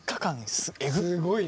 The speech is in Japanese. すごいね。